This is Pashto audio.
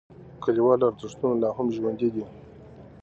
کلیوالي ارزښتونه لا هم ژوندی دي.